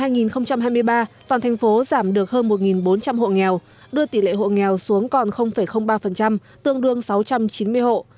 năm hai nghìn hai mươi ba toàn thành phố giảm được hơn một bốn trăm linh hộ nghèo đưa tỷ lệ hộ nghèo xuống còn ba tương đương sáu trăm chín mươi hộ